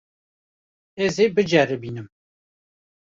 Ez ê biceribînim.